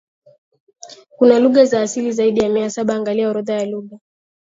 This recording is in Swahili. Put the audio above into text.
kuna lugha za asili zaidi ya Mia Saba angalia orodha ya lugha